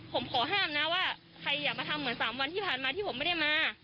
ผมขอห้ามนะว่าใครอยากมาทำเหมือน๓วันที่ผ่านมาที่ผมไม่ได้มา